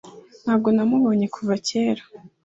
Ntabwo namubonye kuva kera